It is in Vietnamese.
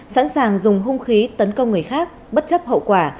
sẵn sàng dùng hung khí tấn công người khác bất chấp hậu quả